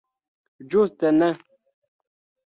Ĝuste ne!